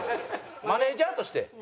マネージャーとして？